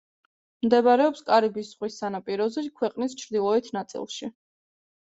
მდებარეობს კარიბის ზღვის სანაპიროზე, ქვეყნის ჩრდილოეთ ნაწილში.